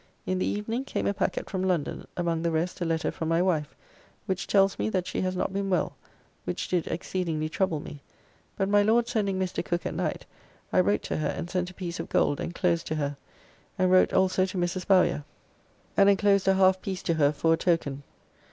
In the evening came a packet from London, among the rest a letter from my wife, which tells me that she has not been well, which did exceedingly trouble me, but my Lord sending Mr. Cook at night, I wrote to her and sent a piece of gold enclosed to her, and wrote also to Mrs. Bowyer, and enclosed a half piece to her for a token.